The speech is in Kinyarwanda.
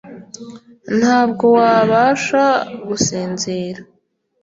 ntabwo wabasha gusinzira